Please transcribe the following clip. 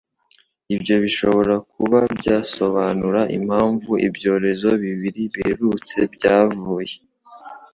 Ibyo bishobora kuba byasobanura impamvu ibyorezo bibiri biherutse byavuye